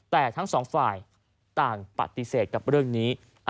แต่ทั้งสองฝ่ายต่างปฏิเสธกับเรื่องนี้